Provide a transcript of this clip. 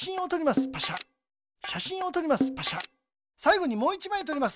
さいごにもう１まいとります。